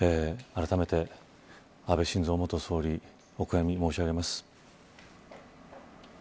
あらためて安倍晋三元総理お悔み申し上げます。